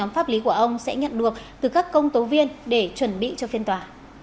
pháp lý của ông sẽ nhận được từ các công tố viên để chuẩn bị cho phiên tòa